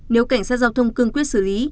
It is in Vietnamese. nếu cảnh sát giao thông cương quyết xử lý